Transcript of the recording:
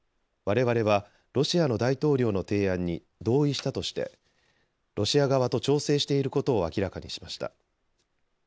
われわれはロシアの大統領の提案に同意したとしてロシア側と調整していることを明らかにしました。